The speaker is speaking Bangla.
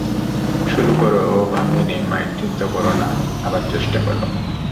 শুরু করো, ওহ ভাঙেনি, মাইক চিন্তা করো না, আবার চেষ্টা করো।